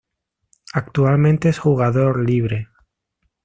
Actualmente es jugador libre.